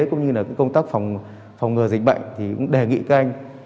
cũng như là công tác phòng ngừa dịch bệnh thì cũng đề nghị các anh